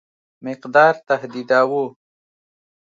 مقدار تهدیداوه.